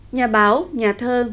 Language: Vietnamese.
nhà báo nhà thơ nguyễn hồng vinh